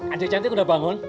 adik cantik udah bangun